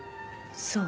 そう。